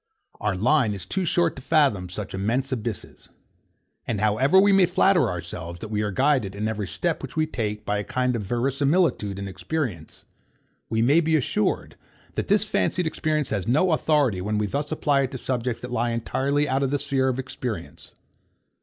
Our line is too short to fathom such immense abysses. And however we may flatter ourselves that we are guided, in every step which we take, by a kind of verisimilitude and experience, we may be assured that this fancied experience has no authority when we thus apply it to subjects that lie entirely out of the sphere of experience.